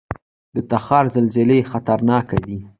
د تخار زلزلې خطرناکې دي